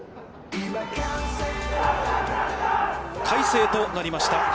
快晴となりました。